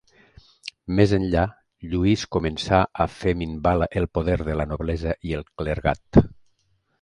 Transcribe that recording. Més enllà, Lluís començà a fer minvar el poder de la noblesa i el clergat.